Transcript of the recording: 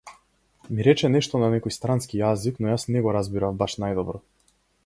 Ми рече нешто на некој странски јазик, но јас не го разбирав баш најдобро.